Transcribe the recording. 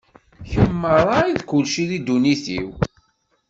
Kemm merra i d kulci di ddunit-iw.